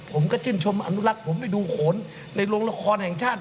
ผมก็ชื่นชมอนุรักษ์ผมได้ดูโขนในโรงละครแห่งชาติ